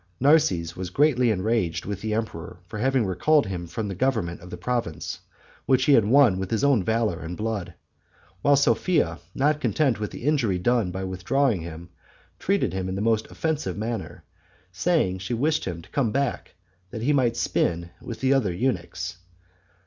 Narses was greatly enraged with the emperor, for having recalled him from the government of the province, which he had won with his own valor and blood; while Sophia, not content with the injury done by withdrawing him, treated him in the most offensive manner, saying she wished him to come back that he might spin with the other eunuchs.